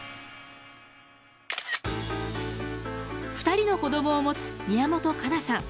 ２人の子どもを持つ宮本可奈さん。